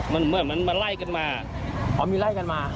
มันเหมือนมันมาไล่กันมาพอมีไล่กันมา